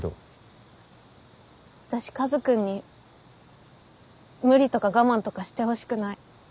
私カズくんに無理とか我慢とかしてほしくない。